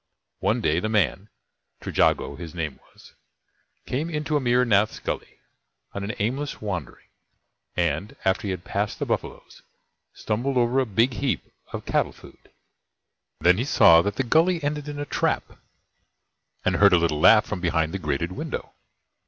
One day the man Trejago his name was came into Amir Nath's Gully on an aimless wandering; and, after he had passed the buffaloes, stumbled over a big heap of cattle food. Then he saw that the Gully ended in a trap, and heard a little laugh from behind the grated window.